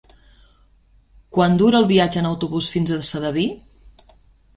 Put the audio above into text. Quant dura el viatge en autobús fins a Sedaví?